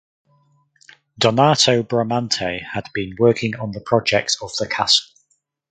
Donato Bramante had been working on the project of the castle.